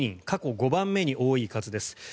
過去５番目に多い数です。